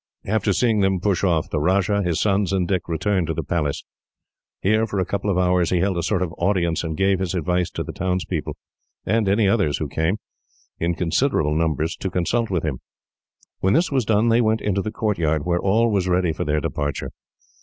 After seeing them push off, the Rajah, his sons, and Dick returned to the palace. Here for a couple of hours he held a sort of audience, and gave his advice to the townspeople and others who came, in considerable numbers, to consult with him. When this was done they went into the courtyard, where all was ready for their departure.